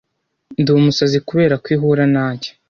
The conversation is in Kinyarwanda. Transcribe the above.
Ndumusazi kuberako ihura nanjye.